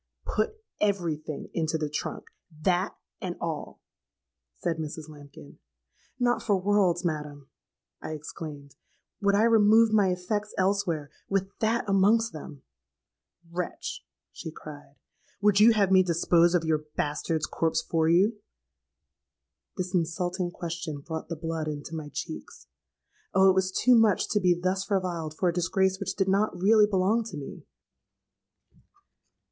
'Put every thing into the trunk—that, and all!' said Mrs. Lambkin.—'Not for worlds, madam,' I exclaimed, 'would I remove my effects elsewhere, with that amongst them!'—"Wretch!' she cried, 'would you have me dispose of your bastard's corpse for you?'—This insulting question brought the blood into my cheeks. Oh! it was too much to be thus reviled for a disgrace which did not really belong to me.